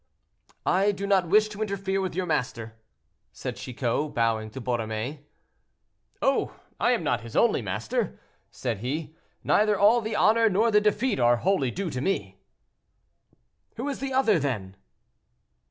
"I do not wish to interfere with your master," said Chicot, bowing to Borromée. "Oh! I am not his only master," said he. "Neither all the honor nor the defeat are wholly due to me." "Who is the other, then?"